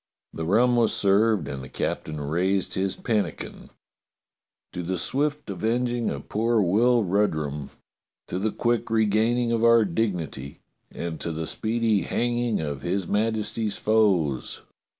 The rum was served and the captain raised his pan nikin: "To the swift avenging of poor Will Rudrum, to the quick regaining of our dignity, and to the speedy hang ing of his Majesty's foes!"